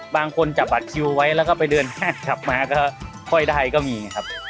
บางคนจับบัตรคิวไว้แล้วก็ไปเดินห้างกลับมาก็ค่อยได้ก็มีครับ